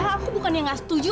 iya aku bukan yang gak setuju